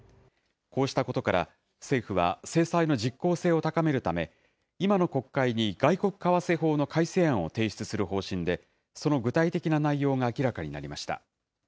こうしたことから、政府は制裁の実効性を高めるため、今の国会に外国為替法の改正案を提出する方針で、その具体的な内容が明らかになりました。